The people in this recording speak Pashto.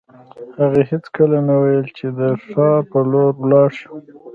هغې هېڅکله نه ویل چې د ښار په لور ولاړ شو